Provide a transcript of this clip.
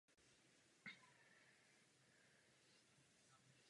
Na vyvýšené konstrukci se nacházela věž s velitelskou kopulí.